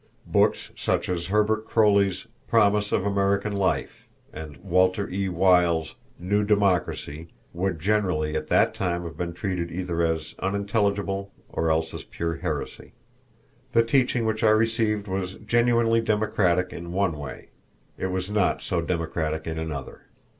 Books such as Herbert Croly's "Promise of American Life" and Walter E. Weyl's "New Democracy" would generally at that time have been treated either as unintelligible or else as pure heresy. The teaching which I received was genuinely democratic in one way. It was not so democratic in another.